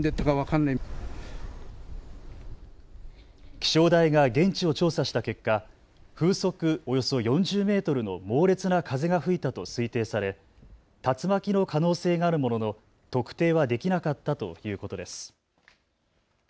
気象台が現地を調査した結果、風速およそ４０メートルの猛烈な風が吹いたと推定され竜巻の可能性があるものの特定はできなかったということです。